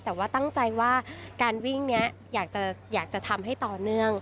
แต่ว่าตั้งใจว่าการวิ่งนี้อยากจะทำให้ต่อเนื่อง